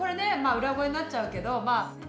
裏声になっちゃうけどまあ。